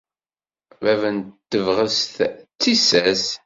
Bab n tebɣest d tissas.